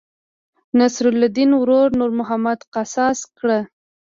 نصرالیدن ورور نور محمد قصاص کړ.